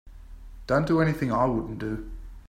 Don't do anything I wouldn't do.